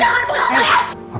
jangan bunuh saya